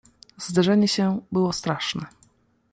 "Zderzenie się było straszne."